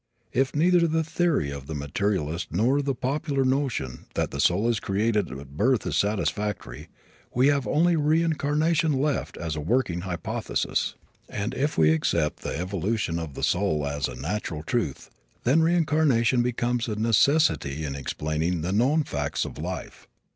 If neither the theory of the materialist nor the popular notion that the soul is created at birth is satisfactory, we have only reincarnation left as a working hypothesis; and if we accept the evolution of the soul as a natural truth, then reincarnation becomes a necessity in explaining the known facts of life.